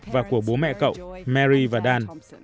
và của bố mẹ cậu mary và dan